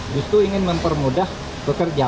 justru ingin mempermudah pekerjaan